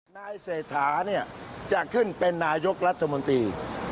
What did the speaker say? นายเศรษฐาเนี่ยจะขึ้นเป็นนายกรัฐมนตรี